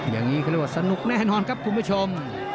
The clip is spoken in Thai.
อย่างนี้เขาเรียกว่าสนุกแน่นอนครับคุณผู้ชม